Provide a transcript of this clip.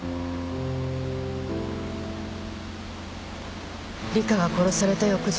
里香が殺された翌日。